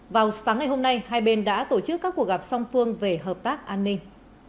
vào sáng ngày hôm nay hai bên đã tổ chức các cuộc gặp song phương về hợp tác an ninh